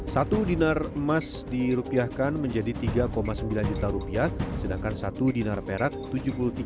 satu dinar emas dirupiahkan menjadi tiga sembilan juta rupiah sedangkan satu dinar perak tujuh puluh tiga ribu rupiah